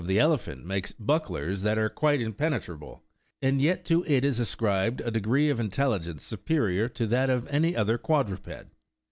ETC 81 the elephant makes bucklers that are quite impenetrable, and yet to it is ascribed a degree of intelligence superior to that of any quadruped.